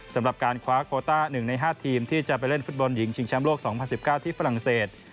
สำหรับการคว้าโคต้า๑ใน๕ทีมที่จะไปเล่นฟุตบอลหญิงชิงแชมป์โลก๒๐๑๙ที่ฝรั่งเศส